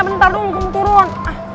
bentar dong aku mau turun